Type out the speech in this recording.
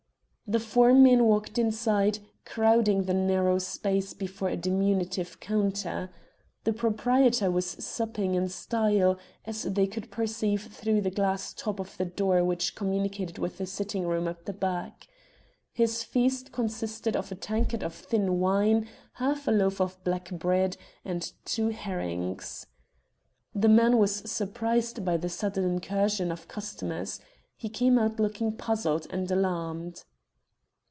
The four men walked inside, crowding the narrow space before a diminutive counter. The proprietor was supping in style, as they could perceive through the glass top of the door which communicated with the sitting room at the back. His feast consisted of a tankard of thin wine, half a loaf of black bread, and two herrings. The man was surprised by the sudden incursion of customers. He came out looking puzzled and alarmed.